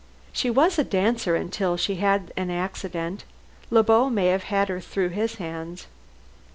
"She was a dancer until she had an accident. Le Beau may have had her through his hands."